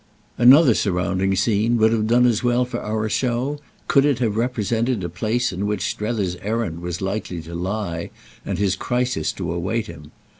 Another surrounding scene would have done as well for our show could it have represented a place in which Strether's errand was likely to lie and his crisis to await him.